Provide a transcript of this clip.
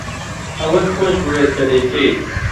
ئەوەت خۆش بوێت کە دەیکەیت.